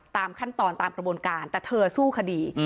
ตามขั้นตอนตามกระบวนการแต่เธอสู้คดี